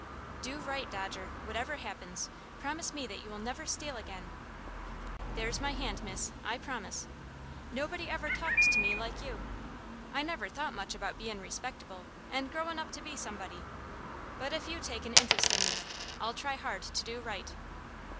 "Do right, Dodger, whatever happens. Promise me that you will never steal again?" "There's my hand, miss I promise. Nobody ever talked to me like you. I never thought much about bein' respectable, and growin' up to be somebody, but if you take an interest in me, I'll try hard to do right."